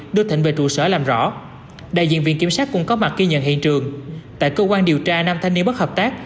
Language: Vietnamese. đưa thịnh về trụ sở làm rõ đại diện viện kiểm sát cũng có mặt ghi nhận hiện trường tại cơ quan điều tra năm thanh niên bất hợp tác